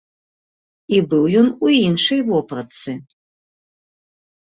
І быў ён у іншай вопратцы.